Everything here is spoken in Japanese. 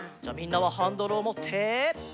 じゃあみんなはハンドルをもって。